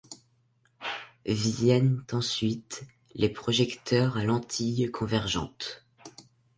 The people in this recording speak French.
Viennent ensuite les projecteurs à lentille convergente.